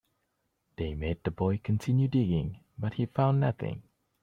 They made the boy continue digging, but he found nothing.